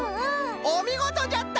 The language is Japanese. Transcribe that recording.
おみごとじゃった！